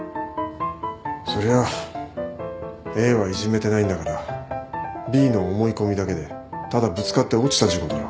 そりゃＡはいじめてないんだからＢの思い込みだけでただぶつかって落ちた事故だろ。